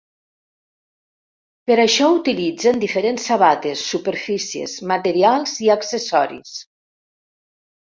Per això utilitzen diferents sabates, superfícies, materials i accessoris.